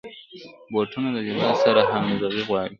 بوټونه د لباس سره همغږي غواړي.